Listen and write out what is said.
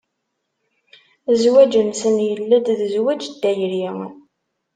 Zzwaǧ-nsen yella-d d zzwaǧ n tayri.